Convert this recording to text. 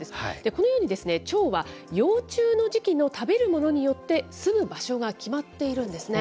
このようにチョウは、幼虫の時期の食べるものによって、住む場所が決まっているんですね。